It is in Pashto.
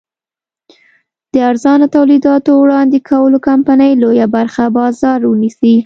د ارزانه تولیداتو وړاندې کولو کمپنۍ لویه برخه بازار ونیسي.